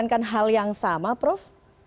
apakah anda menarankan hal yang sama prof